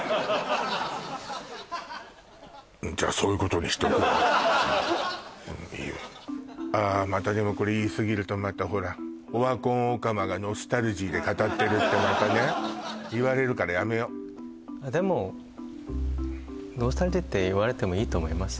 物語としては何かこうああまたでもこれ言い過ぎるとまたほらオワコンオカマがノスタルジーで語ってるってまたね言われるからやめよでも「ノスタルジー」って言われてもいいと思います